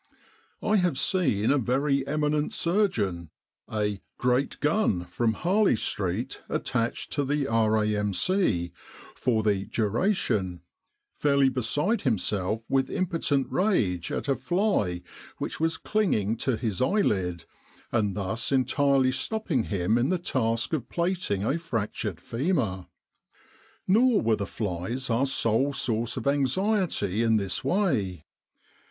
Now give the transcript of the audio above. I have seen a very eminent surgeon a ' great gun ' from Harley Street attached to the R.A.M.C. 'for the duration 1 fairly beside himself with impotent rage at a fly which was clinging to his eyelid, and thus en tirely stopping him in the task of plating a fractured femur. " Nor were the flies our sole source of anxiety in this way.